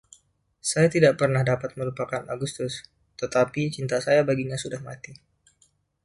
Saya tidak pernah dapat melupakan Augustus, tetapi cinta saya baginya sudah mati.